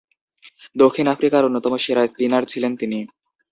দক্ষিণ আফ্রিকার অন্যতম সেরা স্পিনার ছিলেন তিনি।